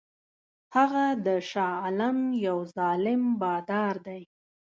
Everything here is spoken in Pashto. هغه د شاه عالم یو ظالم بادار دی.